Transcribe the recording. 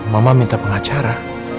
mama minta pengacara